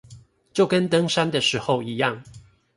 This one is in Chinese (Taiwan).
就跟登山的時候一樣